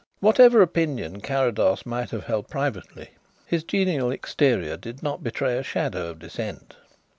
Whatever opinion Carrados might have held privately, his genial exterior did not betray a shadow of dissent.